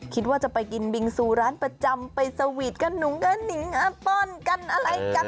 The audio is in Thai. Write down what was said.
คิดว่าจะไปกินบิงซูร้านประจำไปสวีทกันหนุงกระหนิงอาเปิ้ลกันอะไรกัน